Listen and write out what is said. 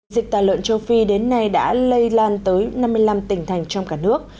dịch tả lợn châu phi đến nay đã lây lan tới năm mươi năm tỉnh thành trong cả nước